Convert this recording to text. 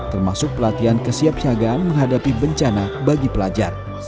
termasuk pelatihan kesiapsiagaan menghadapi bencana bagi pelajar